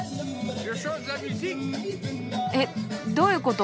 えっどういうこと？